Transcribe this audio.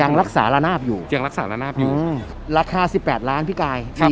ยังรักษาระนาบอยู่ยังรักษาระนาบอยู่อืมราคา๑๘ล้านพี่กาย